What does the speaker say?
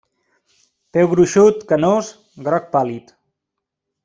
Peu gruixut, canós, groc pàl·lid.